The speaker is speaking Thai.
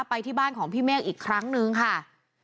ไปที่บ้านของพี่เมฆอีกครั้งนึงค่ะ